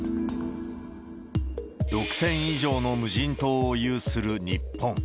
６０００以上の無人島を有する日本。